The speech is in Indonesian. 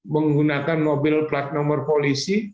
menggunakan mobil plat nomor polisi